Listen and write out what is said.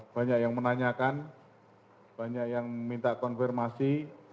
banyak yang menanyakan banyak yang minta konfirmasi